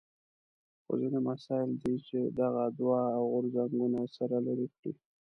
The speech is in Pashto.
خو ځینې مسایل دي چې دغه دوه غورځنګونه یې سره لرې کړي.